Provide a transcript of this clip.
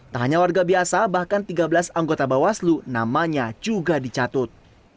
tak hanya warga biasa bahkan tiga belas anggota bawaslu namanya juga dicatut